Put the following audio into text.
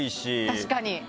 確かに！